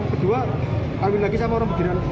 kedua awin lagi sama orang bergerak